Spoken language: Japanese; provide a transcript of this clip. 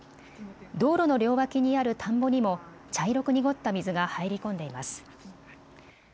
道路の両脇にある田んぼにも茶色く濁った水が入り込んでいます。